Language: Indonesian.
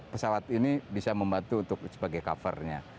pesawat ini bisa membantu untuk sebagai cover nya